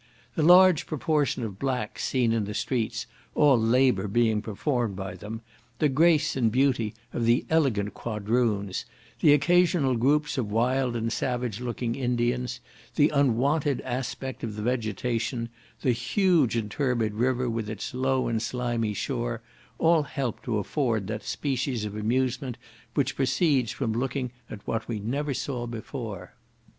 The large proportion of blacks seen in the streets, all labour being performed by them; the grace and beauty of the elegant Quadroons, the occasional groups of wild and savage looking Indians, the unwonted aspect of the vegetation, the huge and turbid river, with its low and slimy shore, all help to afford that species of amusement which proceeds from looking at what we never saw before.